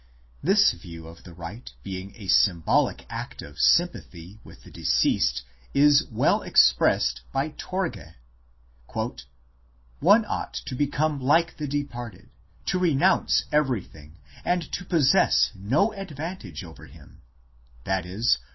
This view of the rite being a symbolic act of sympathy with the deceased is well expressed by Torge l :" One ought to become like the departed, to renounce everything and to possess no advan tage over him, i.e.